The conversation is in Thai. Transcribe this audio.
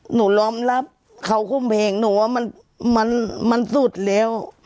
หนูล้อมรับเขาคุ้มเพลงหนูว่ามันสุดแล้ว